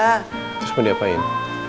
terus mau diapain